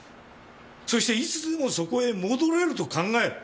そしていつでもそこへ戻れると考える！